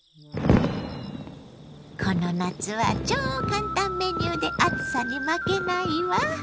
この夏は超簡単メニューで暑さに負けないわ。